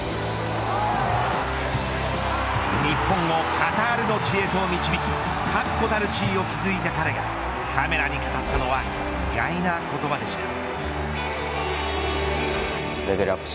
日本をカタールの地へと導き確固たる地位を築いた彼がカメラに語ったのは意外な言葉でした。